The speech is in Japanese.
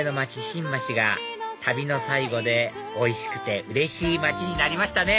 新橋が旅の最後でおいしくてうれしい街になりましたね！